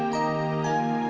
dia harus sipi